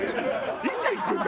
いつ行くんだ？